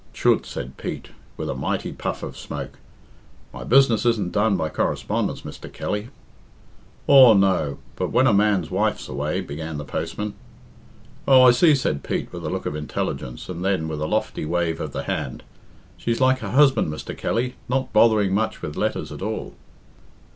"Chut!" said Pete, with a mighty puff of smoke; "my business isn't done by correspondence, Mr. Kelly." "Aw, no; but when a man's wife's away " began the postman. "Oh, I see," said Pete, with a look of intelligence, and then, with a lofty wave of the hand, "She's like her husband, Mr. Kelly not bothering much with letters at all."